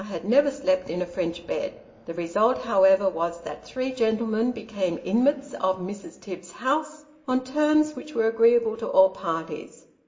had never slept in a French bed. The result, however, was, that three gentlemen became inmates of Mrs. Tibbs's house, on terms which were " agreeable to all parties."